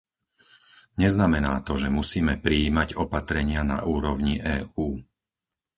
Neznamená to, že musíme prijímať opatrenia na úrovni EÚ.